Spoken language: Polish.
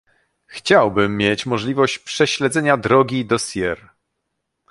Chciałbym mieć możliwość prześledzenia drogi dossier